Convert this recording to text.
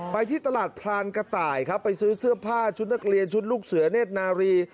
ที่ตลาดพรานกระต่ายครับไปซื้อเสื้อผ้าชุดนักเรียนชุดลูกเสือเนธนารี